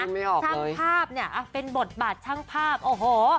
ช่างภาพเนี่ยเป็นบทบาทช่างภาพโอ้โห